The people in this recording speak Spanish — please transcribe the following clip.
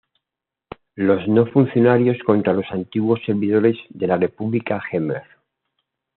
Los no funcionarios contra los antiguos servidores de la República Jemer.